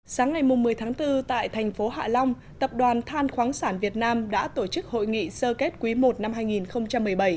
sáng ngày một mươi tháng bốn tại thành phố hạ long tập đoàn than khoáng sản việt nam đã tổ chức hội nghị sơ kết quý i năm hai nghìn một mươi bảy